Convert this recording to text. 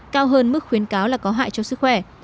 cao hơn mức khuyến cáo là có hại cho sức khỏe